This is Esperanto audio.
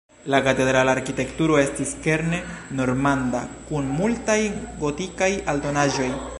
La katedrala arkitekturo estis kerne normanda kun multaj gotikaj aldonaĵoj.